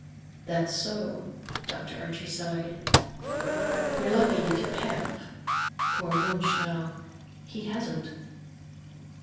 _" "That's so." Dr. Archie sighed. "You're lucky if you have. Poor Wunsch, now, he hasn't.